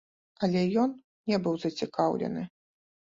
Але ён не быў зацікаўлены.